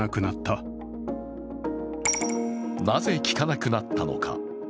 なぜ利かなくなったのか。